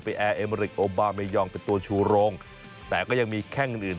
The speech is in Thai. แอร์เอเมริกโอบาเมยองเป็นตัวชูโรงแต่ก็ยังมีแข้งอื่นอื่น